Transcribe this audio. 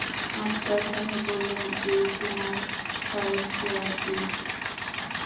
আফসার সাহেব বললেন, এই তোমার সাইকিয়াটিস্ট?